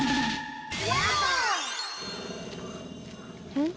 うん？